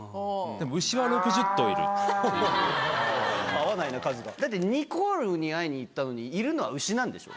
合わないな数がだってニコールに会いに行ったのにいるのは牛なんでしょ？